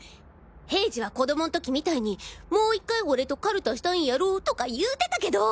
平次は子供ん時みたいにもう１回俺とカルタしたいんやろとか言うてたけど。